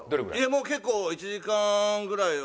もう結構１時間ぐらいは。